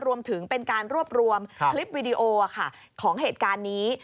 รวมถึงเป็นการรวบรวมคลิปวิดีโอของเหตุการณ์นี้